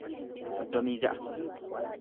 soddomii ja'a